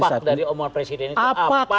mak dari omor presiden itu apa